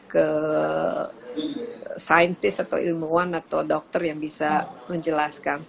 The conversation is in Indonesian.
ke saintis atau ilmuwan atau dokter yang bisa menjelaskan